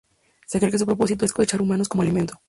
Se cree que su propósito es cosechar humanos como alimento.